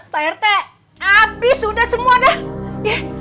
pak rt abis udah semua dah